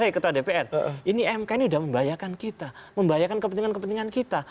hai ketua dpr ini mk ini sudah membahayakan kita membahayakan kepentingan kepentingan kita